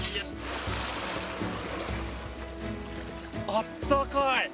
あったかい！